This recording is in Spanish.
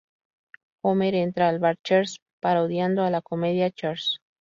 Homer entra al bar Cheers parodiando a la comedia "Cheers".